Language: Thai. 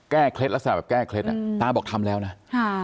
แก้เคล็ดล่ะสิแบบแก้เคล็ดอืมตามบอกทำแล้วน่ะอ่า